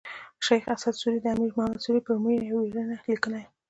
شېخ اسعد سوري د امیر محمد سوري پر مړینه یوه ویرنه لیکلې ده.